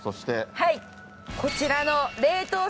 はいこちらの。